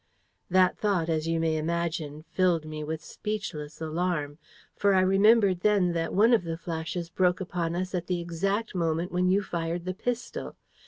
"That thought, as you may imagine, filled me with speechless alarm: for I remembered then that one of the flashes broke upon us at the exact moment when you fired the pistol.